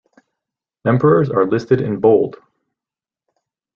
Emperors are listed in bold.